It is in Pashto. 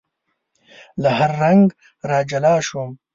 له هر رنګ را جلا شوم